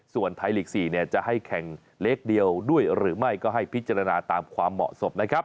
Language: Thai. ส่วนไทยลีก๔จะให้แข่งเล็กเดียวด้วยหรือไม่ก็ให้พิจารณาตามความเหมาะสมนะครับ